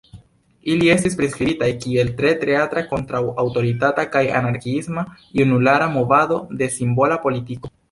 Ili estis priskribitaj kiel tre teatra, kontraŭ-aŭtoritata kaj anarkiisma junulara movado de "simbola politiko".